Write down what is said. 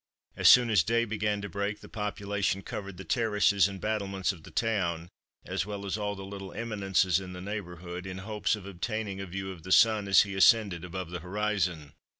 As soon as day began to break the population covered the terraces and battlements of the town, as well as all the little eminences in the neighbourhood, in hopes of obtaining a view of the Sun as he ascended above the horizon.